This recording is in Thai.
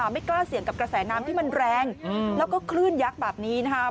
ไม่กล้าเสี่ยงกับกระแสน้ำที่มันแรงแล้วก็คลื่นยักษ์แบบนี้นะคะ